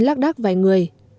lắc đắc vài người